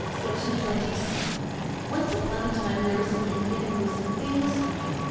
THE GOOD HUNTER Once upon a time there was an Indian who was a famous hunter.